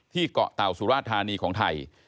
เกาะเต่าสุราธานีของไทย